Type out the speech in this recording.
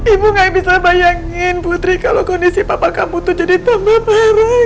ibu gak bisa bayangin putri kalau kondisi papa kamu tuh jadi tumbuh baru